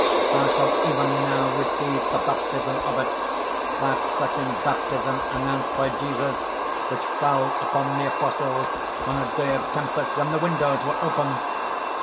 Thou shalt even now receive the baptism of it that second baptism announced by Jesus, which fell upon the apostles on a day of tempest when the windows were open!"